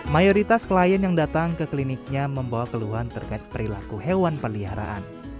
mayoritas klien yang datang ke kliniknya membawa keluhan terkait perilaku hewan peliharaan